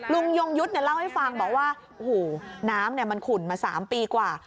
ลุงยุทธ์เนี่ยเล่าให้ฟังบอกว่าน้ำเนี่ยมันขุ่นมา๓ปีกว่า